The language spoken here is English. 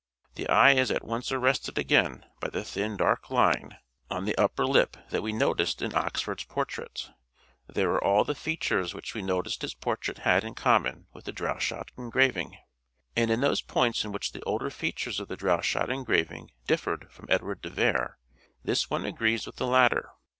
The eye is at once arrested again by the thin dark line on the upper SUPPLEMENTARY EVIDENCE 535 lip that we noticed in Oxford's portrait ; there are all the features which we noticed his portrait had in common with the Droeshout engraving ; and in those points in which the older features of the Droeshout engraving differed from Edward de Vere this one agrees with the latter.